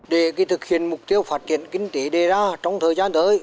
để thực hiện mục tiêu phát triển kinh tế đề ra trong thời gian tới